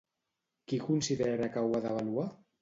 Qui considera que ho ha d'avaluar?